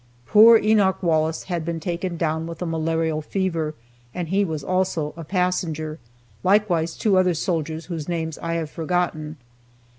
Poor Enoch Wallace had been taken down with a malarial fever, and he was also a passenger, likewise two other soldiers whose names I have forgotten.